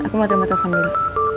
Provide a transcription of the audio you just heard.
aku mau terima tukang dulu